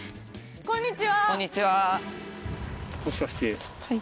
こんにちは。